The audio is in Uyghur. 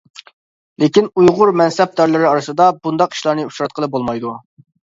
لېكىن ئۇيغۇر مەنسەپدارلىرى ئارىسىدا بۇنداق ئىشلارنى ئۇچراتقىلى بولمايدۇ.